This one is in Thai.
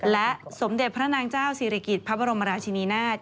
และสมเด็จพระนางเจ้าศิริกิจพระบรมราชินีนาฏ